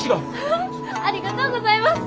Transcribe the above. ありがとうございます！